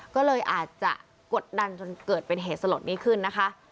ก็เลยอาจจะกดดันจนเกิดเป็นเหตุสลดนี้ขึ้นนะคะ